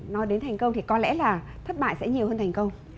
nói đến thành công thì có lẽ là thất bại sẽ nhiều hơn thành công